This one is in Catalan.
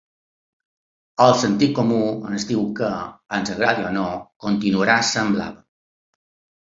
El sentit comú ens diu que, ens agradi o no, continuarà sent blava.